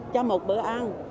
cho một bữa ăn